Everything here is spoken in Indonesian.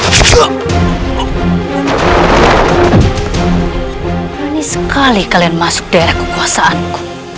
ini sekali kalian masuk daerah kekuasaanku